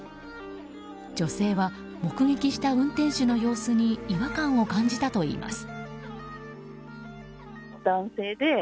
女性は目撃した運転手の様子に違和感を感じたといいます。